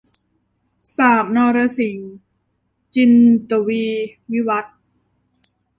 สาบนรสิงห์ - จินตวีร์ วิวัธน์